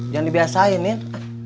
jangan dibiasain nen